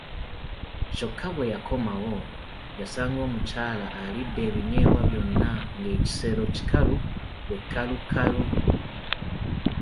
Kyokka bwe yakomawo yasanga omukyala alidde ebinyeebwa byonna nga ekisero kikalu be kkalukalu!